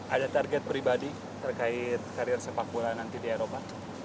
ada target pribadi terkait karir sepak bola nanti di eropa